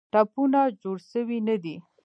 ټپونه جوړ سوي نه دي.